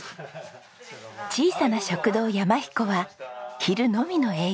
小さな食堂山ひこは昼のみの営業。